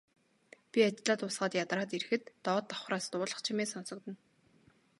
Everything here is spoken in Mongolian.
Би ажлаа дуусгаад ядраад ирэхэд доод давхраас дуулах чимээ сонсогдоно.